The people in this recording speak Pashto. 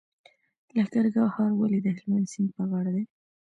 لښکرګاه ښار ولې د هلمند سیند په غاړه دی؟